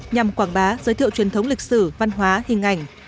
nhằm quảng bá giới thiệu truyền thống lịch sử văn hóa hình ảnh